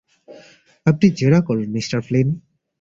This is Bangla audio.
আপনি জেরা করুন, মিস্টার ফ্লিন।